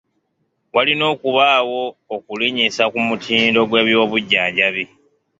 Walina okubaawo okulinnyisa ku mutindo gw'ebyobujjanjabi.